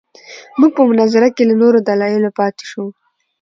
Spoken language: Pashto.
موږ په مناظره کې له نورو دلایلو پاتې شوو.